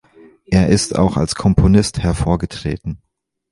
Er ist auch als Komponist hervorgetreten.